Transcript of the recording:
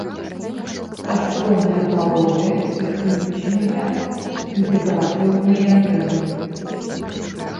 Каштоўныя пладовыя, тэхнічныя і дэкаратыўныя дрэвы.